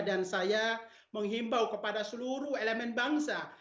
dan saya menghimbau kepada seluruh elemen bangsa